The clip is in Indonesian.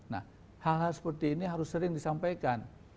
nah hal hal seperti ini harus sering disampaikan